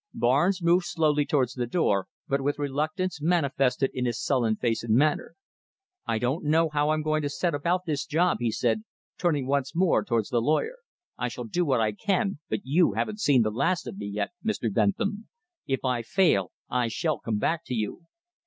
Barnes moved slowly towards the door, but with reluctance manifested in his sullen face and manner. "I don't know how I'm going to set about this job," he said, turning once more towards the lawyer. "I shall do what I can, but you haven't seen the last of me, yet, Mr. Bentham. If I fail, I shall come back to you."